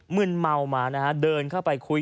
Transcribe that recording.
มึนเมามานะฮะเดินเข้าไปคุย